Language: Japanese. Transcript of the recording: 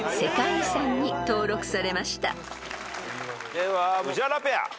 では宇治原ペア。